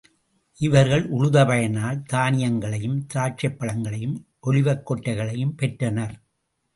இவர்கள் உழுத பயனால் தானியங்களையும் திராட்சைப் பழங்களையும், ஒலிவக் கொட்டைகளையும் பெற்றனர்.